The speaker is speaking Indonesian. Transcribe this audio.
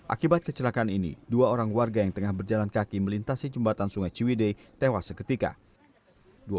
akibat kecelakaan ini dua orang warga yang tengah berjalan kaki melintasi jembatan sungai ciwidei tewas seketika